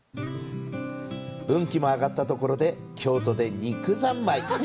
運気も上がったところで京都で肉三昧！